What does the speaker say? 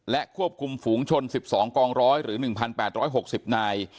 ควบคุมฝูงชน๑๒กองร้อยหรือ๑๘๖๐นาย